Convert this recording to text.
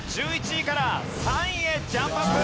１１位から３位へジャンプアップ！